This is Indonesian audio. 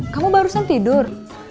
kamu barusan tidur